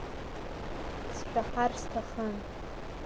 Сшәаҳар сҭахын.